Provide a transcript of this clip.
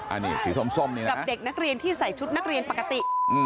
อันนี้สีส้มนี่แหละกับเด็กนักเรียนที่ใส่ชุดนักเรียนปกติ